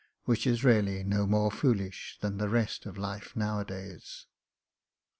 Which is really no more foolish than the rest of life nowadays. .